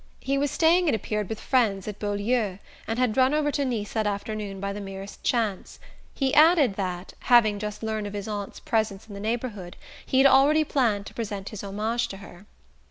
He was staying, it appeared, with friends at Beaulieu, and had run over to Nice that afternoon by the merest chance: he added that, having just learned of his aunt's presence in the neighbourhood, he had already planned to present his homage to her.